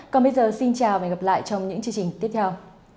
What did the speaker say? còn bây giờ xin chào và hẹn gặp lại trong những chương trình tiếp theo